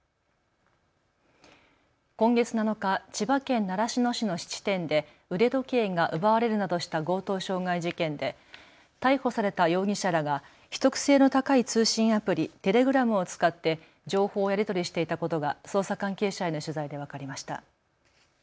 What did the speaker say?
今月７日、千葉県習志野市の質店で腕時計が奪われるなどした強盗傷害事件で逮捕された容疑者らが秘匿性の高い通信アプリ、テレグラムを使って情報をやり取りしていたことが捜査関係者への取材で分かりました。